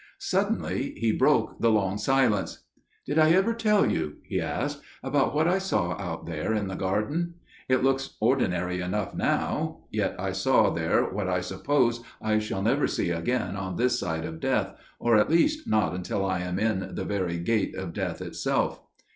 Suddenly he broke the long silence. "Did I ever tell you," he asked, "about what I saw out there in the garden? It looks ordinary enough now: yet I saw there what I suppose I shall never see again on this side of death, or at least not until I am in the very gate of death itself."